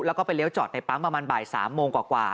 แล้วก็ไปเลี้ยวจอดในปั๊มประมาณบ่าย๓โมงกว่า